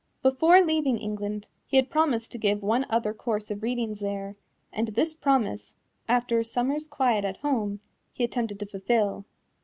Before leaving England he had promised to give one other course of readings there, and this promise, after a summer's quiet at home, he attempted to fulfil.